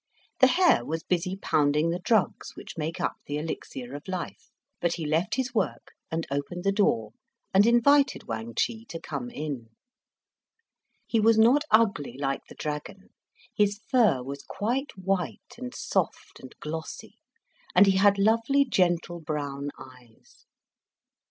The Hare was busy pounding the drugs which make up the elixir of life; but he left his work, and opened the door, and invited Wang Chih to come in. He was not ugly, like the dragon; his fur was quite white and soft and glossy, and he had lovely, gentle brown eyes.